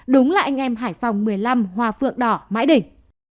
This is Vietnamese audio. đúng là anh em hải phòng một mươi năm hòa phượng đỏ mãi đỉnh